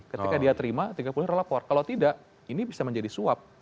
ketika dia terima tiga puluh hari lapor kalau tidak ini bisa menjadi suap